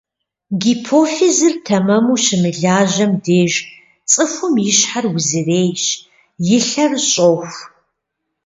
Гипофизыр тэмэму щымылажьэм деж цӀыхум и щхьэр узырейщ, и лъэр щӀоху.